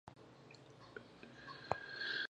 د ملالۍ اتلولي ومنه.